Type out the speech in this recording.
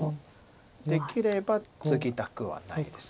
できればツギたくはないです。